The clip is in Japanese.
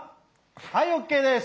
はいＯＫです！